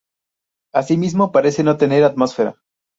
Asimismo parece no tener atmósfera.